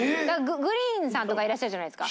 ＧＲｅｅｅｅＮさんとかいらっしゃるじゃないですか。